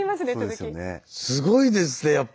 すごいですねやっぱ。